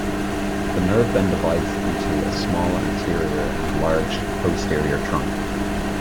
The nerve then divides into a small anterior and large posterior trunk.